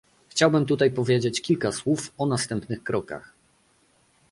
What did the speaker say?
Chciałbym tutaj powiedzieć kilka słów o następnych krokach